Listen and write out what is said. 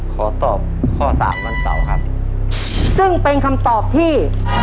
ขอตอบข้อสามวันเสาร์ครับซึ่งเป็นคำตอบที่